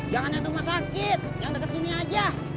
jangan yang di rumah sakit yang deket sini aja